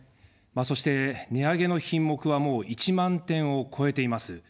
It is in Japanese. そして、値上げの品目はもう１万点を超えています。